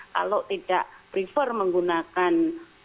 kalau tidak prefer menggunakan